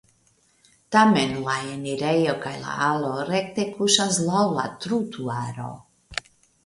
Tamen la enirejo kaj la alo rekte kuŝas laŭ la trutuaro.